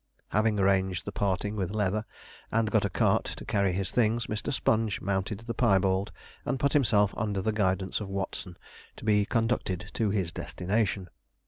Having arranged the parting with Leather, and got a cart to carry his things, Mr. Sponge mounted the piebald, and put himself under the guidance of Watson to be conducted to his destination.